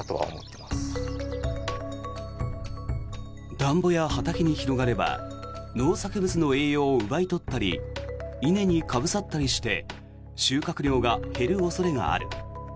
田んぼや畑に広がれば農作物の栄養を奪い取ったり稲にかぶさったりして収穫量が減る恐れがある。